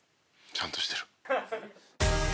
ちゃんとしてる。